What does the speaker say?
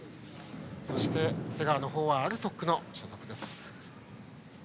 そして瀬川の方はＡＬＳＯＫ所属です。